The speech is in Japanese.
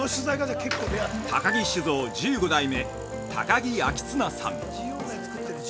◆高木酒造１５代目高木顕統さん。